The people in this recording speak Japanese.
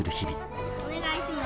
お願いします。